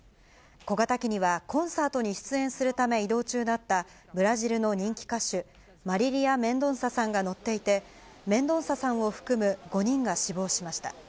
小型機には、コンサートに出演するため移動中だった、ブラジルの人気歌手、マリリア・メンドンサさんが乗っていて、メンドンサさんを含む５人が死亡しました。